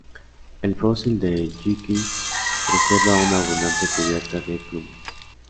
El fósil de "Yi qi" preserva una abundante cubierta de plumas.